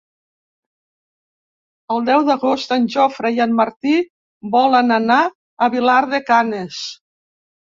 El deu d'agost en Jofre i en Martí volen anar a Vilar de Canes.